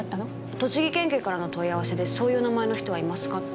栃木県警からの問い合わせでそういう名前の人はいますかって。